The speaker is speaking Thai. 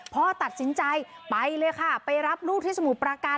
พ่อตัดสินใจไปเลยค่ะไปรับลูกที่สมุทรประการ